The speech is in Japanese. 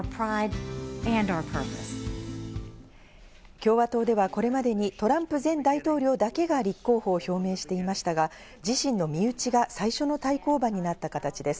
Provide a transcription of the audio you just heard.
共和党ではこれまでにトランプ前大統領だけが立候補を表明していましたが、自身の身内が最初の対抗馬になった形です。